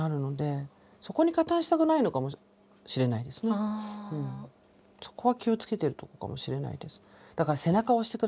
そうするとそこは気を付けてるとこかもしれないです。